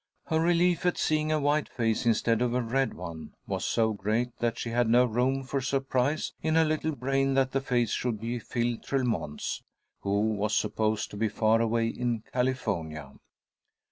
Her relief at seeing a white face instead of a red one was so great that she had no room for surprise in her little brain that the face should be Phil Tremont's, who was supposed to be far away in California.